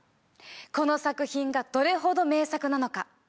この作品がどれほど名作なのか。